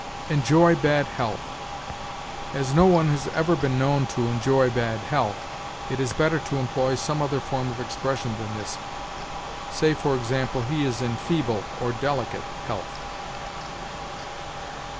ENJOY BAD HEALTH. As no one has ever been known to enjoy bad health, it is better to employ some other form of expression than this. Say, for example, he is in feeble, or delicate, health.